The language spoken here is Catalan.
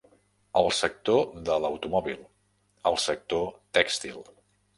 El sector de l'automòbil, el sector tèxtil.